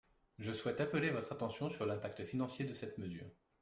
Je souhaite appeler votre attention sur l’impact financier de cette mesure.